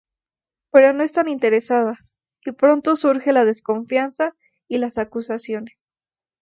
Pero no están interesadas y pronto surge la desconfianza y las acusaciones.